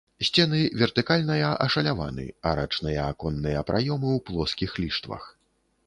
Сцены вертыкальная ашаляваны, арачныя аконныя праёмы ў плоскіх ліштвах.